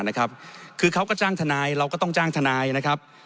คือเขาก็จ้างทนายเราก็ต้องจ้างทนายนะครับ